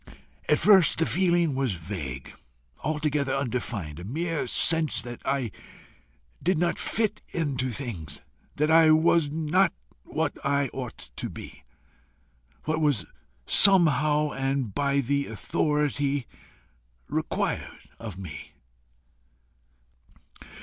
At first the feeling was vague, altogether undefined a mere sense that I did not fit into things, that I was not what I ought to be, what was somehow and by the Authority required of me.